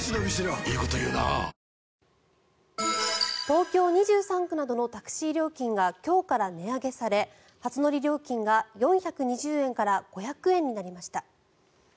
東京２３区などのタクシー料金が今日から値上げされ初乗り料金が４２０円から５００円になりました。